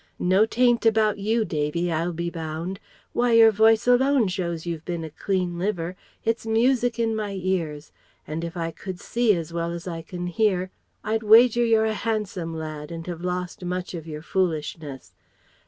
"No taint about you, Davy, I'll be bound. Why your voice alone shows you've been a clean liver. It's music in my ears, and if I could see as well as I can hear I'd wager you're a handsome lad and have lost much of your foolishness.